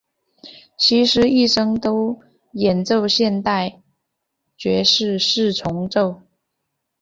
希斯一生都演奏现代爵士四重奏。